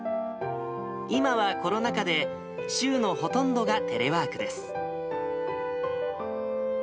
今はコロナ禍で、週のほとんどがテレワークです。